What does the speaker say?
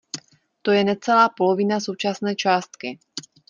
To je necelá polovina současné částky.